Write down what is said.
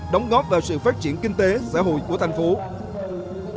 đóng góp vào sự phát triển kinh tế xã hội của tp hcm